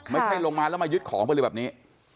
ไม่ใช่ลงมาแล้วมายึดของไปเลยแบบนี้